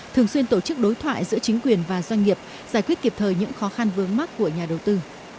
thường xuyên tổ chức đối thoại giữa chính quyền và doanh nghiệp giải quyết kịp thời những khó khăn vướng mắt của nhà đầu tư